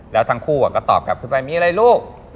แล้วทั้งคู่ก็ตอบกลับขึ้นไปมีอะไรลูก